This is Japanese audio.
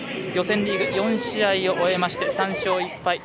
予選リーグ４試合を終えまして３勝１敗。